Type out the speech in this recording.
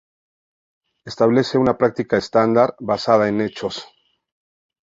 Establece una práctica estándar basada en hechos.